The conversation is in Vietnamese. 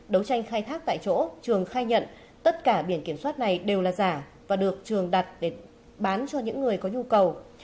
đấu tranh khai thác tại chỗ trường khai nhận tất cả biển kiểm soát này đều là giả và được trường đặt để bán cho những người có nhu cầu